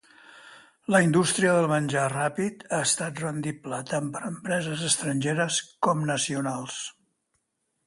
La indústria del menjar ràpid ha estat rendible tant per a empreses estrangeres com nacionals.